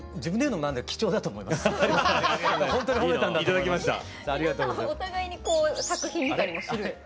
皆さんお互いに作品見たりもする？